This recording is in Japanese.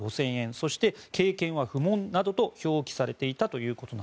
そして経験は不問などと表記されていたと。